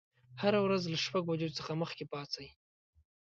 هره ورځ له شپږ بجو څخه مخکې پاڅئ.